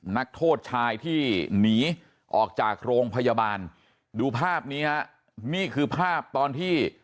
นักโทษชายที่หนีออกจากโรงพยาบาลดูภาพนี้ฮะนี่คือภาพตอนที่